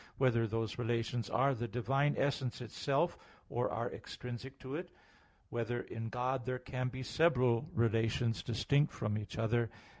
(2) Whether those relations are the divine essence itself, or are extrinsic to it? (3) Whether in God there can be several relations distinct from each other?